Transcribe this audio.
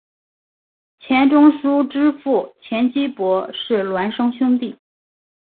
钱钟书之父钱基博是其孪生兄弟。